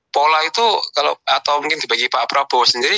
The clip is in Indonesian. pola itu kalau atau mungkin bagi pak prabowo sendiri